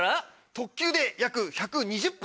特急で約１２０分。